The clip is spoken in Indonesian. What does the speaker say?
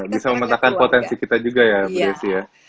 bisa memetakan potensi kita juga ya bu yesi ya